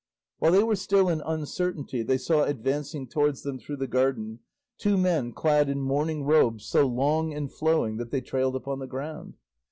While they were still in uncertainty they saw advancing towards them through the garden two men clad in mourning robes so long and flowing that they trailed upon the ground.